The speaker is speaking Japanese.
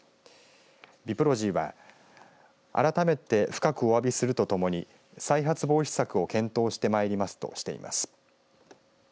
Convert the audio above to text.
ＢＩＰＲＯＧＹは改めて深くおわびするとともに再発防止策を検討してまいりますとしています。